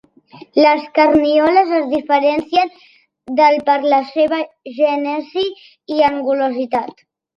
Les carnioles es diferencien del per la seva gènesi i angulositat.